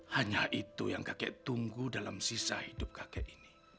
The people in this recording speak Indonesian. hanya itu yang kakek tunggu dalam sisa hidup kakek ini